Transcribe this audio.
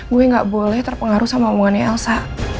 gue gak boleh terpengaruh sama omongannya elsa